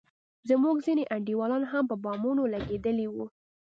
زموږ ځينې انډيولان هم په بمانو لگېدلي وو.